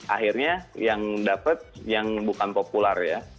akhirnya yang dapat yang bukan populer ya